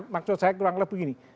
maksud saya kurang lebih